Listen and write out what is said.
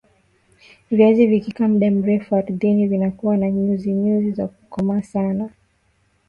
viazi vikikaa mda mrefu ardhini vinakua na nyuzi nyuzi na kukomaa sana